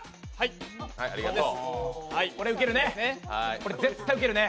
これ、絶対、ウケるね。